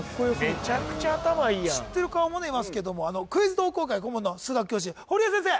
めちゃくちゃ頭いいやん知ってる顔もねいますけどもクイズ同好会顧問の数学教師堀江先生